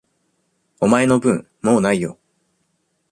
お前の分、もう無いよ。